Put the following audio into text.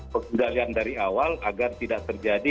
pengendalian dari awal agar tidak terjadi